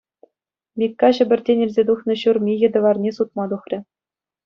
Микка Ҫӗпӗртен илсе тухнӑ ҫур михӗ тӑварне сутма тухрӗ.